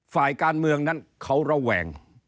ฝ่ายการเมืองนั้นเขาระแวง